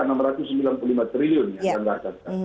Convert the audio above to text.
enam ratus sembilan puluh lima triliun yang dianggarkan